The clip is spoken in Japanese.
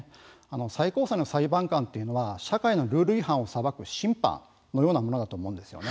最高裁の裁判官というのは社会のルール違反を裁く審判のようなものだと思うんですよね。